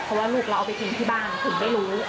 เพราะว่าลูกเราเอาไปทิ้งที่บ้านถึงได้รู้